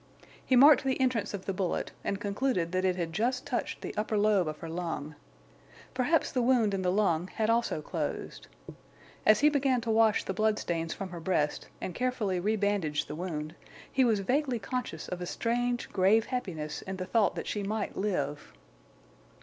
He marked the entrance of the bullet, and concluded that it had just touched the upper lobe of her lung. Perhaps the wound in the lung had also closed. As he began to wash the blood stains from her breast and carefully rebandage the wound, he was vaguely conscious of a strange, grave happiness in the thought that she might live.